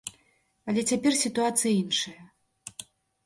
Але цяпер сітуацыя іншая.